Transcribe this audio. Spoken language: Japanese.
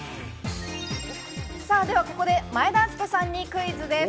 ここで前田敦子さんにクイズです。